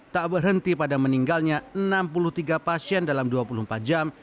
tak berhenti pada meninggalnya enam puluh tiga pasien dalam dua puluh empat jam